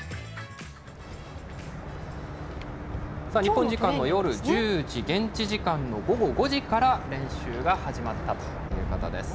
日本時間の夜１０時現地時間の午後５時から練習が始まったということです。